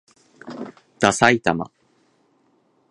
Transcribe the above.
ださいたま